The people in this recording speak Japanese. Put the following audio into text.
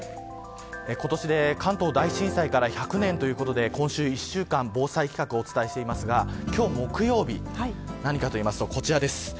今年で関東大震災から１００年ということで今週１週間防災企画、お伝えしていますが今日木曜日何かといいますと、こちらです。